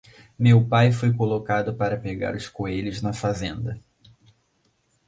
Meu pai foi colocado para pegar os coelhos na fazenda.